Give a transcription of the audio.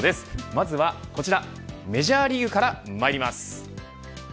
まずはこちらメジャーリーグからまいります。